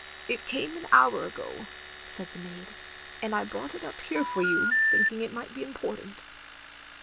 "It came an hour ago," said the maid, "and I brought it up here for you, thinking it might be important."